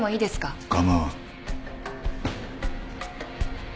構わん。